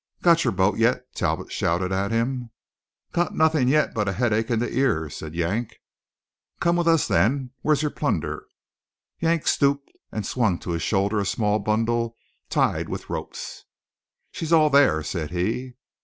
"Got your boat yet?" Talbot shouted at him. "Got nothin' yet but a headache in the ears," said Yank. "Come with us then. Where's your plunder?" Yank stooped and swung to his shoulder a small bundle tied with ropes. "She's all thar," said he.